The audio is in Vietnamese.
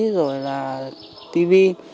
rồi là tivi